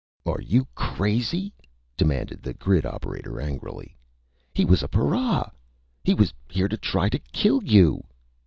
"Are you crazy?" demanded the grid operator angrily. "He was a para! He was here to try to kill you!"